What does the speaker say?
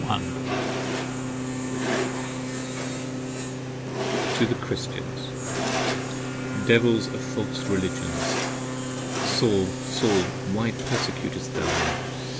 77 TO THE CHRISTIANS Devils are False Religions. " Saul, Saul, Why persecutest thou me?